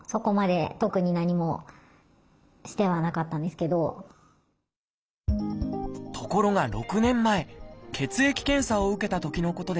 するとところが６年前血液検査を受けたときのことでした。